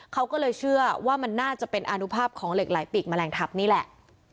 เขาก็เลยเชื่อว่ามันน่าจะเป็นอนุภาพของเหล็กไหลปีกแมลงทัพนี่แหละ